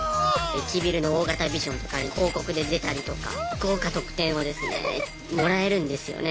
駅ビルの大型ビジョンとかに広告で出たりとか豪華特典をですねもらえるんですよね。